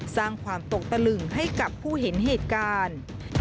สร้างความตกตะลึงให้กับผู้เห็นเหตุการณ์